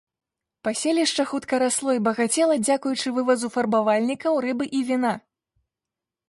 Паселішча хутка расло і багацела дзякуючы вывазу фарбавальнікаў, рыбы і віна.